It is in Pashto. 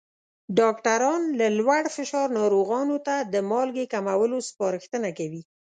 ډاکټران له لوړ فشار ناروغانو ته د مالګې کمولو سپارښتنه کوي.